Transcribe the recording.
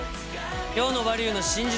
今日の「バリューの真実」